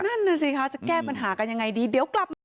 นั่นน่ะสิคะจะแก้ปัญหากันยังไงดีเดี๋ยวกลับมา